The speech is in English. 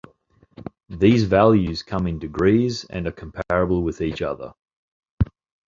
These values come in degrees and are comparable with each other.